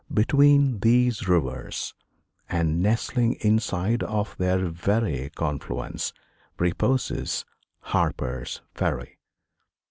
Between these rivers, and nestling inside of their very confluence, reposes Harper's Ferry.